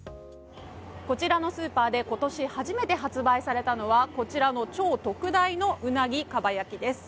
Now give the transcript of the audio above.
こちらのスーパーで今年初めて発売されたのはこちらの超特大のウナギかば焼きです。